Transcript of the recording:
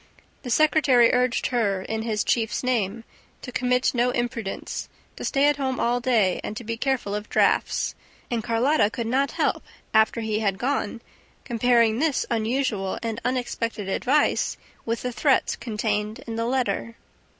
The secretary urged her, in his chief's name, to commit no imprudence, to stay at home all day and to be careful of drafts; and Carlotta could not help, after he had gone, comparing this unusual and unexpected advice with the threats contained in the letter.